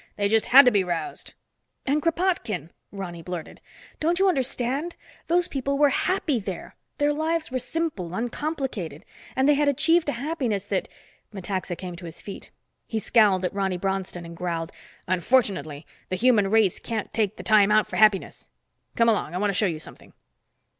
"They just had to be roused." "And Kropotkin!" Ronny blurted. "Don't you understand, those people were happy there. Their lives were simple, uncomplicated, and they had achieved a happiness that—" Metaxa came to his feet. He scowled at Ronny Bronston and growled, "Unfortunately, the human race can't take the time out for happiness. Come along, I want to show you something."